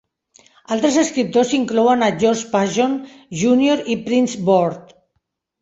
Altres escriptors inclouen a George Pajon, Junior i Printz Board.